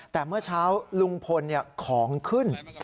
แต่เมื่อเช้าลุงพลของขึ้น